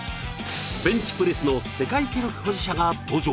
ベンチプレスの世界記録保持者が登場！